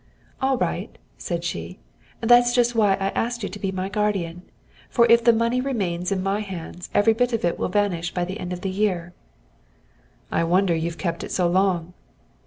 "All right," said she, "that's just why I asked you to be my guardian, for if the money remains in my hands, every bit of it will vanish by the end of the year." "I wonder you've kept it so long."